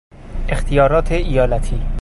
اختیارات ایالتی